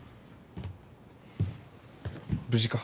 無事か？